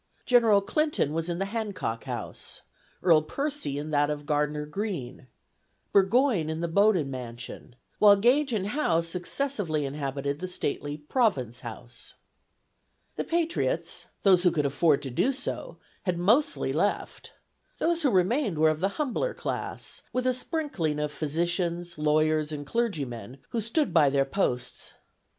General Clinton was in the Hancock House, Earl Percy in that of Gardner Greene, Burgoyne in the Bowdoin mansion; while Gage and Howe successively inhabited the stately Province House. The patriots, those who could afford to do so, had mostly left. Those who remained were of the humbler class, with a sprinkling of physicians, lawyers, and clergymen, who stood by their posts.